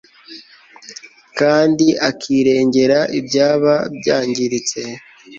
kandi akirengera ibyaba byangiritse